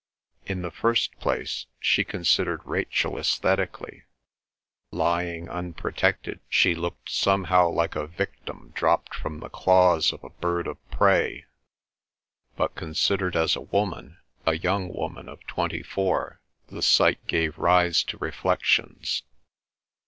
In the first place she considered Rachel aesthetically; lying unprotected she looked somehow like a victim dropped from the claws of a bird of prey, but considered as a woman, a young woman of twenty four, the sight gave rise to reflections.